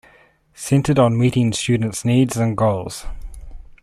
Centered on meeting students needs and goals.